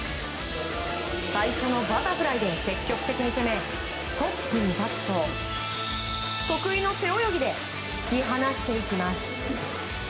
最初のバタフライで積極的に攻めトップに立つと得意の背泳ぎで引き離していきます。